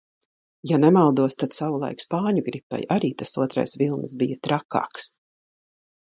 Ja nemaldos, tad savulaik spāņu gripai arī tas otrais vilnis bija trakāks.